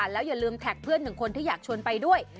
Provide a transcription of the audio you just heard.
แล้วอย่าลืมแท็กเพื่อนหนึ่งคนที่อยากชวนไปด้วย